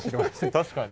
確かに。